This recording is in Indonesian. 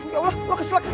ya allah lu keselak